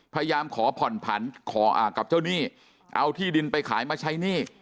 พยายามขอผ่อนผันขอกับเจ้าหนี้เอาที่ดินไปขายมาใช้หนี้